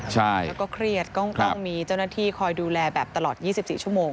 แล้วก็เครียดต้องมีเจ้าหน้าที่คอยดูแลแบบตลอด๒๔ชั่วโมง